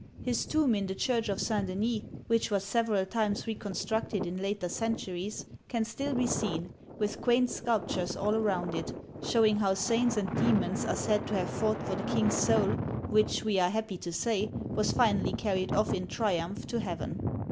His tomb in the Church of St. Denis — which was several times re constructed in later centuries — can still be seen, with quaint sculptures all around it, showing how saints and demons are said to have fought for the king^s soul, which, we are happy to say, was finally carried off in triumph to heaven.